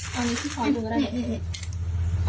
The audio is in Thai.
ตัวใหญ่นานน่ะ